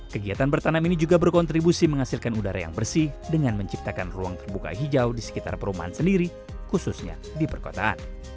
kegiatan bertanam ini juga berkontribusi menghasilkan udara yang bersih dengan menciptakan ruang terbuka hijau di sekitar perumahan sendiri khususnya di perkotaan